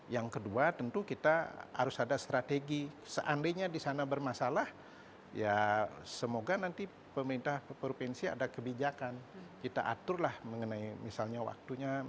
yang kedua tentu kita harus ada strategi seandainya di sana bermasalah ya semoga nanti pemerintah provinsi ada kebijakan kita atur lah mengenai misalnya waktunya